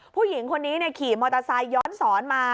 ผู้หญิงคนนี้ขี่มอเตอร์ไซค์ย้อนสอนมา